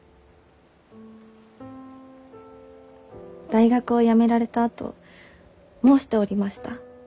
大学を辞められたあと申しておりました。